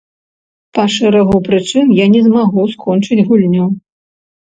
Па шэрагу прычын я не змагу скончыць гульню.